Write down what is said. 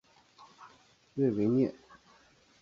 瑞维涅。